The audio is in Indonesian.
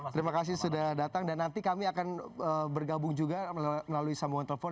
terima kasih sudah datang dan nanti kami akan bergabung juga melalui sambungan telepon